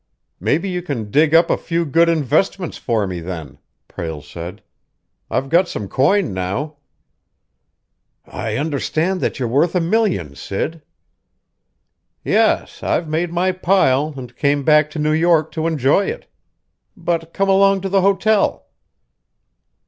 "Maybe you can dig up a few good investments for me, then," Prale said. "I've got some coin now." "I understand that you're worth a million, Sid." "Yes, I've made my pile, and came back to New York to enjoy it. But come along to the hotel."